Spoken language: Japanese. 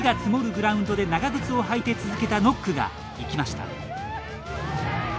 グラウンドで長靴を履いて続けたノックが生きました。